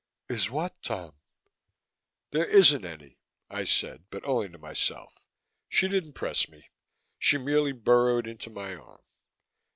"Is what, Tom?" "There isn't any," I said, but only to myself. She didn't press me; she merely burrowed into my arm.